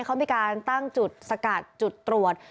เขามีการตั้งจุดสกัดจุดตรวจ